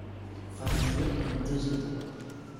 Falleció en Düsseldorf.